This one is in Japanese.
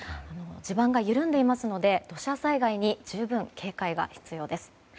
地盤が緩んでいますので土砂災害に十分警戒が必要です。